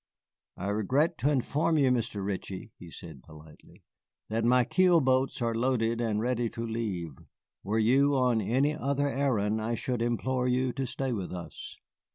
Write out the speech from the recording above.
"I regret to inform you, Mr. Ritchie," said he, politely, "that my keel boats are loaded and ready to leave. Were you on any other errand I should implore you to stay with us."